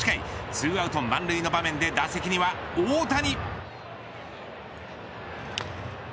２アウト満塁の場面で打席には大谷。